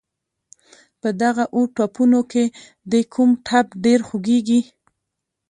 په دغه اووه ټپونو کې دې کوم ټپ ډېر خوږېږي.